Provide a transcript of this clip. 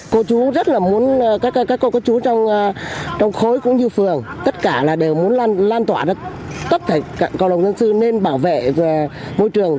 cô chú rất là muốn các cô chú trong khối cũng như phường tất cả đều muốn lan tỏa tất cả cộng đồng dân sư nên bảo vệ môi trường